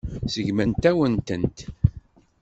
Seggment-awen-tent.